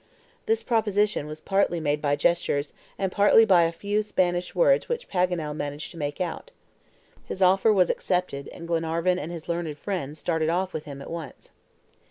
This proposition was partly made by gestures, and partly by a few Spanish words which Paganel managed to make out. His offer was accepted, and Glenarvan and his learned friend started off with him at once.